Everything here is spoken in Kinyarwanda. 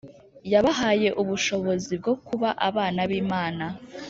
yabahaye ubushobozi bwo kuba abana b'Imana.